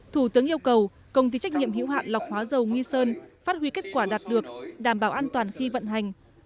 thủ tướng yêu cầu công ty trách nhiệm hữu hạn lọc hóa dầu nghi sơn phát huy kết quả đạt được đảm bảo an toàn khi vận hành